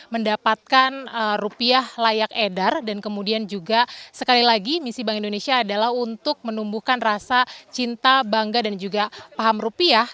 mendapatkan rupiah layak edar dan kemudian juga sekali lagi misi bank indonesia adalah untuk menumbuhkan rasa cinta bangga dan juga paham rupiah